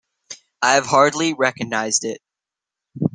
I have hardly recognised it.